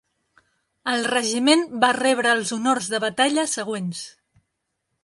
El regiment va rebre els honors de batalla següents.